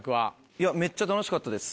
いやめっちゃ楽しかったです。